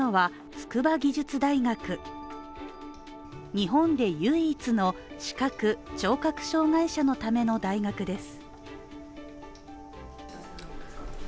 日本で唯一の視覚・聴覚障害者のための大学です。